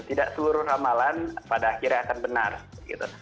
tidak seluruh ramalan pada akhirnya akan benar gitu